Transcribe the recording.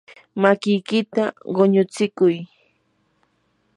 makiykita quñutsikuy.